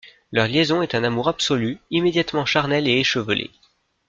Leur liaison est un amour absolu, immédiatement charnel et échevelé.